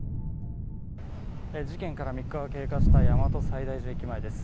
事件から３日が経過した大和西大寺駅前です